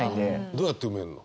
どうやって埋めんの？